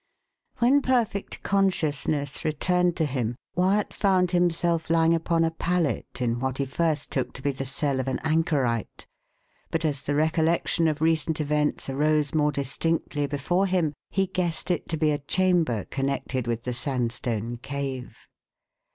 When perfect consciousness returned to him, Wyat found himself lying upon a pallet in what he first took to be the cell of an anchorite; but as the recollection of recent events arose more distinctly before him, he guessed it to be a chamber connected with the sandstone cave.